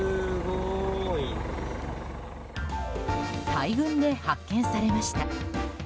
大群で発見されました。